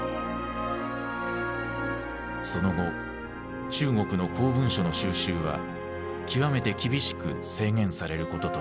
その後中国の公文書の収集は極めて厳しく制限されることとなった。